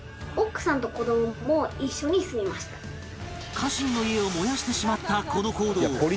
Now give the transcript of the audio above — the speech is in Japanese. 家臣の家を燃やしてしまったこの行動